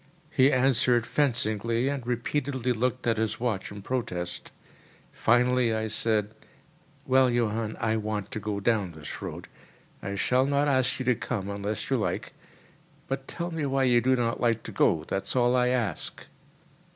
He answered fencingly, and repeatedly looked at his watch in protest. Finally I said: "Well, Johann, I want to go down this road. I shall not ask you to come unless you like; but tell me why you do not like to go, that is all I ask."